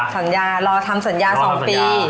สัญญารอทำสัญญา๒ปี